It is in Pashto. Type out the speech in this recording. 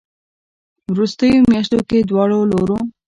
ه وروستيو مياشتو کې دواړو لورو